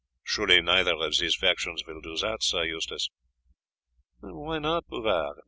"Surely neither of these factions will do that, Sir Eustace." "Why not, Bouvard?